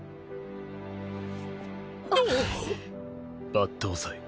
抜刀斎。